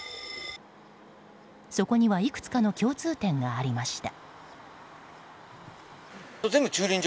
そこには、いくつかの共通点がありました。